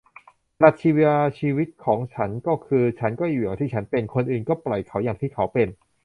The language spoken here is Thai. ปรัชญาชีวิตของฉันก็คือ ฉันก็อยู่อย่างที่ฉันเป็น คนอื่นก็ปล่อยเขาอย่างที่เขาเป็น